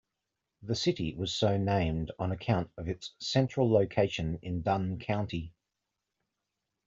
The city was so named on account of its central location in Dunn County.